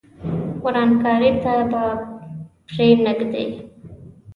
ورانکاري ته به پرې نه ږدي.